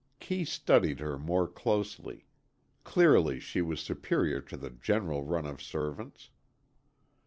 Kee studied her more closely. Clearly, she was superior to the general run of servants.